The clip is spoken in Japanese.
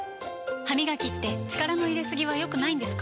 歯みがきって力の入れすぎは良くないんですか？